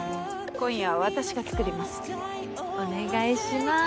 今夜は私が作ります。